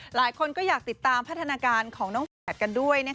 หลายคนก็อยากติดตามพัฒนาการของน้องแฝดกันด้วย